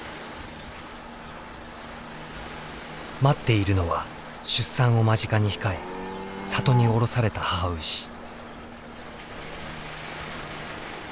待っているのは出産を間近に控え里に下ろされた母牛。